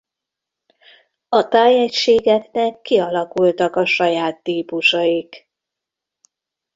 A tájegységeknek kialakultak a saját típusaik.